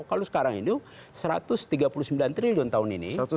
kalau sekarang ini satu ratus tiga puluh sembilan triliun tahun ini